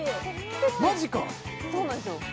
マジかそうなんですよ